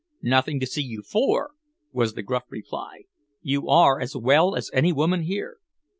"Nothing to see you for," was the gruff reply. "You are as well as any woman here."